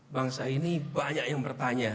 bangsa ini banyak yang bertanya